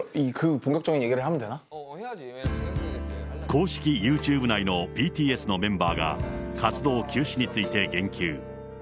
公式ユーチューブ内のＢＴＳのメンバーが活動休止について言及。